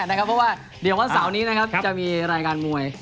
เพราะว่าวันเสาร์นี้จะมีรายการมวย